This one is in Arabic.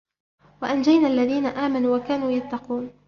وَأَنْجَيْنَا الَّذِينَ آمَنُوا وَكَانُوا يَتَّقُونَ